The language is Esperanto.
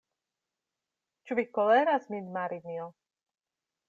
Ĉu vi koleras min, Marinjo?